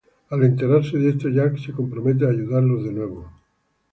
Al enterarse de esto, Jack se compromete a ayudarlos de nuevo.